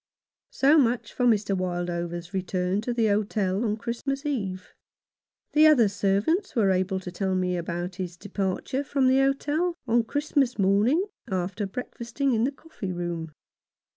So much for Mr. Wildover's return to the hotel on Christmas Eve. The other servants were able to tell me about his departure from the hotel on Christmas morning, after breakfasting in the coffee room.